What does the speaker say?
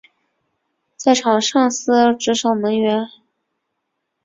在场上司职守门员。